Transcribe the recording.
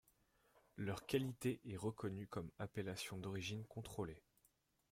Leur qualité est reconnue comme appellation d’origine contrôlée.